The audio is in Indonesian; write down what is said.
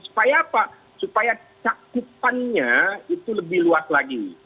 supaya apa supaya cakupannya itu lebih luas lagi